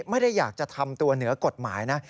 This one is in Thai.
ไม่ได้อยากจะทำตัวเหนือกฎหมายนะ